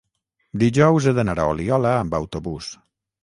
dijous he d'anar a Oliola amb autobús.